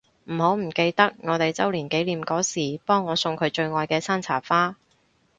唔好唔記得我哋週年紀念嗰時幫我送佢最愛嘅山茶花